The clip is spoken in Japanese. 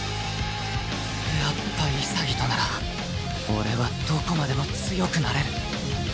やっぱ潔となら俺はどこまでも強くなれる